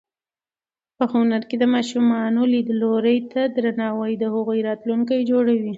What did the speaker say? په هنر کې د ماشومانو لیدلوري ته درناوی د هغوی راتلونکی جوړوي.